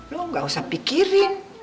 lo gak usah pikirin